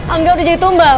angga udah jadi tumbal